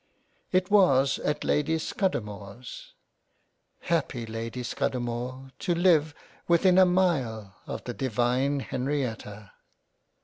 It was at Lady Scudamores. Happy Lady Scudamore to live within a mile of the divine Henrietta